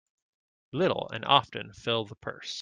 Little and often fill the purse.